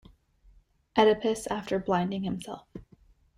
Oedipus after blinding himself.